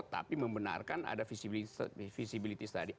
tapi membenarkan ada visibility study